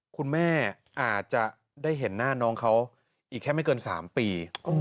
คุณแม่อาจจะได้เห็นหน้าน้องเขาอีกแค่ไม่เกิน๓ปี